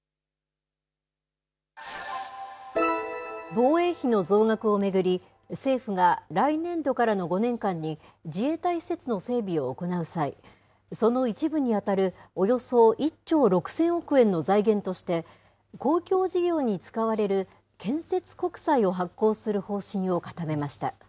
防衛費の増額を巡り、政府が来年度からの５年間に、自衛隊施設の整備を行う際、その一部に当たるおよそ１兆６０００億円の財源として、公共事業に使われる建設国債を発行する方針を固めました。